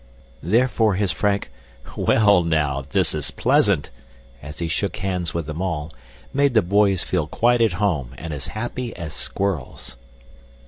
Therefore his frank "Well, now, this is pleasant," as he shook hands with them all, made the boys feel quite at home and as happy as squirrels.